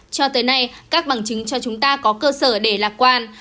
cho tới nay các bằng chứng cho chúng ta có cơ sở để lạc quan